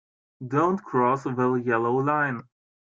Do not cross the yellow line.